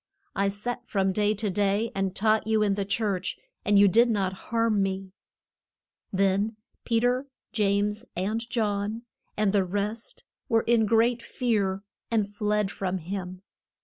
I sat from day to day and taught you in the church, and you did not harm me. Then Pe ter, James and John, and the rest, were in great fear, and fled from him.